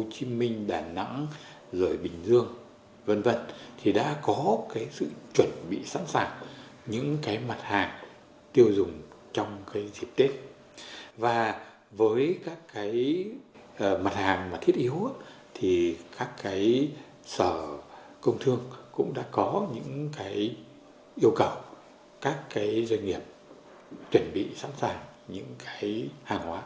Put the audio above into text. các doanh nghiệp chuẩn bị sẵn sàng những hàng hóa